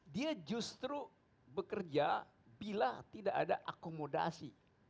dia justru bekerja bila tidak ada akomodasi